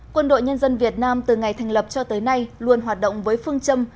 quân đội nhân dân việt nam từ ngày thành lập cho tới nay luôn hoạt động với phương châm